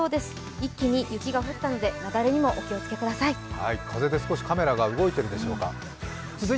一気に雪が降ったので雪崩にもお気を付けください。